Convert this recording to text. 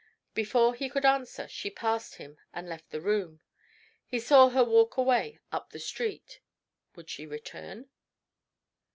Before he could answer she passed him and left the room. He saw her walk away up the street. Would she return?